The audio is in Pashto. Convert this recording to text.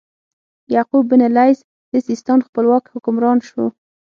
یعقوب بن اللیث د سیستان خپلواک حکمران شو.